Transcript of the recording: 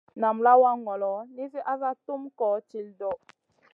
Nam lawa ŋolo nizi asa tum koh til ɗoʼ.